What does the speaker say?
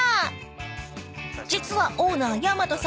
［実はオーナー山戸さんは］